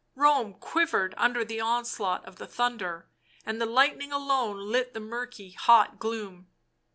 Rome quivered under the onslaught of the thunder, and the lightning alone lit the murky, hot gloom.